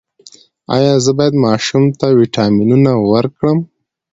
ایا زه باید ماشوم ته ویټامینونه ورکړم؟